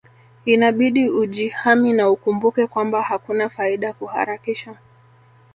Inabidi ujihami na ukumbuke kwamba hakuna faida kuharakisha